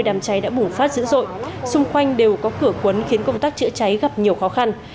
đám cháy đã bùng phát dữ dội xung quanh đều có cửa cuốn khiến công tác chữa cháy gặp nhiều khó khăn